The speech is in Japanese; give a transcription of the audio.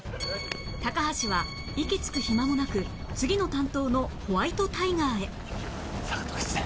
高橋は息つく暇もなく次の担当のホワイトタイガーへ